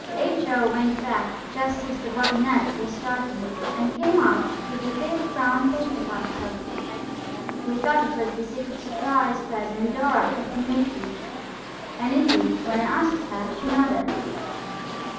H.O. went back just as the waggonette was starting, and came out with a big brown paper parcel. We thought it was the secret surprise present Dora had been making, and, indeed, when I asked her she nodded.